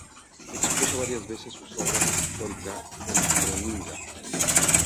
Expuso varias veces sus obra pictórica en Groninga.